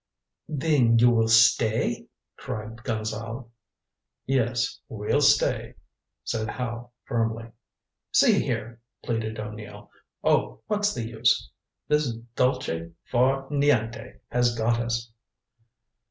"Then you will stay?" cried Gonzale. "Yes, we'll stay," said Howe firmly. "See here " pleaded O'Neill. "Oh, what's the use? This dolce far niente has got us."